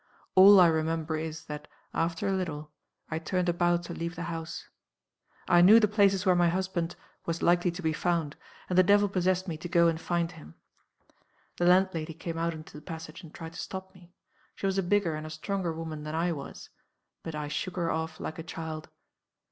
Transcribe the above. All I remember is, that, after a little, I turned about to leave the house. I knew the places where thy husband was likely to be found; and the devil possessed me to go and find him. The landlady came out into the passage and tried to stop me. She was a bigger and a stronger woman than I was. But I shook her off like a child.